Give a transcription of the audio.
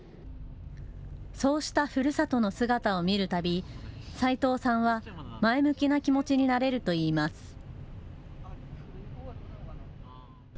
そうしたふるさとの姿を見るたび齊藤さんは前向きな気持ちになれるといいます。